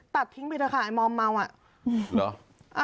ตัดทิ้งไปเถอะค่ะมอมเมาอ่ะ